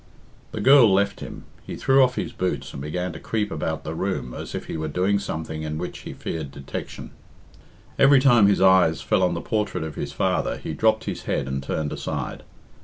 The girl left him. He threw off his boots and began to creep about the room as if he were doing something in which he feared detection. Every time his eyes fell on the portrait of his father he dropped his head and turned aside.